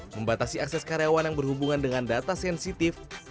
membatasi akses karyawan yang berhubungan dengan data sensitif